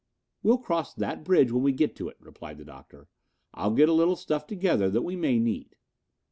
"We'll cross that bridge when we get to it," replied the Doctor. "I'll get a little stuff together that we may need."